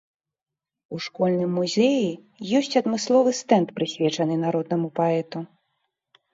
У школьным музеі ёсць адмысловы стэнд, прысвечаны народнаму паэту.